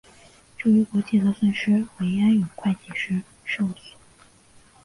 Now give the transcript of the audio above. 至于国际核数师为安永会计师事务所。